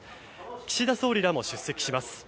岸田総理らも出席します。